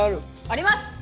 あります！